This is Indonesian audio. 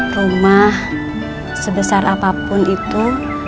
rumah sebesar apapun itu